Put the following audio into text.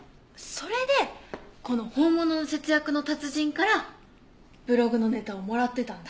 それでこの本物の節約の達人からブログのネタをもらってたんだ。